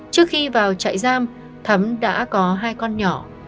trước khi vào trại giam thắm đã có hai con nhỏ